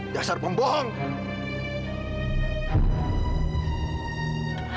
jangan pernah memperbaikan orang tua